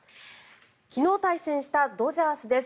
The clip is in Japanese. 昨日対戦したドジャースです。